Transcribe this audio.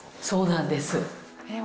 そうなんです。